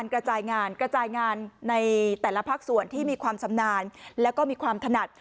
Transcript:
กระจายงานกระจายงานในแต่ละภาคส่วนที่มีความชำนาญแล้วก็มีความถนัด